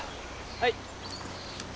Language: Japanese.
はい。